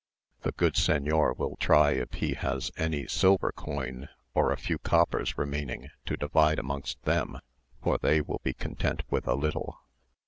"The good señor will try if he has any silver coin or a few coppers remaining, to divide amongst them, for they will be content with a little."